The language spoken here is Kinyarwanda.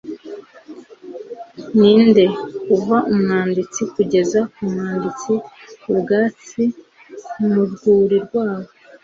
ninde, kuva umwanditsi kugeza ku mwanditsi, ubwatsi mu rwuri rwabo